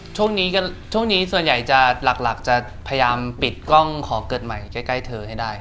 ช่วงนี้ส่วนใหญ่จะหลักเพราะอยากปิดกล้องกลับใหม่รอเกิดให้ได้